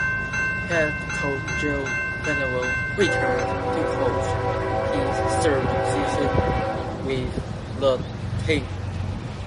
Head coach Joel Quenneville returned to coach his third season with the team.